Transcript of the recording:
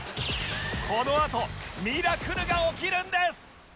このあとミラクルが起きるんです！